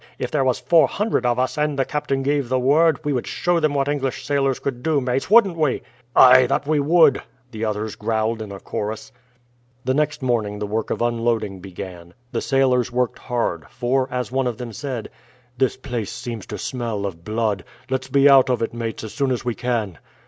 "If there was four hundred of us, and the captain gave the word, we would show them what English sailors could do, mates wouldn't we?" "Aye, that would we;" the others growled in a chorus. The next morning the work of unloading began. The sailors worked hard; for, as one of them said, "This place seems to smell of blood let's be out of it, mates, as soon as we can."